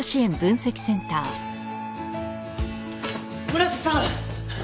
村瀬さん！